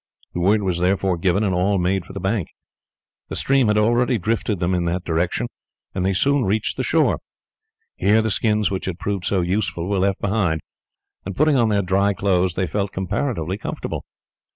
The word was therefore given, and all made for the bank. The stream had already drifted them in that direction, and they soon reached the shore. Here the skins which had proved so useful were left behind, and putting on their dry clothes, they felt comparatively comfortable.